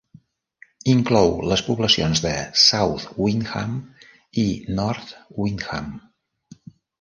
Inclou les poblacions de South Windham i North Windham.